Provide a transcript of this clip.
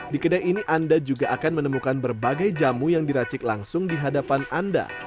di kedai ini anda juga akan menemukan berbagai jamu yang diracik langsung di hadapan anda